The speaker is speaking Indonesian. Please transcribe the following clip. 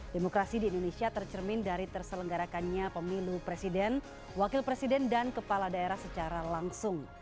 demokrasi di indonesia tercermin dari terselenggarakannya pemilu presiden wakil presiden dan kepala daerah secara langsung